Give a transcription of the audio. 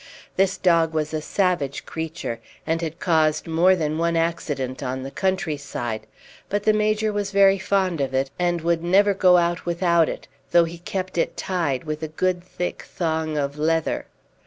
This dog was a savage creature, and had caused more than one accident on the countryside; but the Major was very fond of it, and would never go out without it, though he kept it tied with a good thick thong of leather.